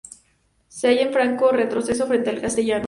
Se halla en franco retroceso frente al castellano.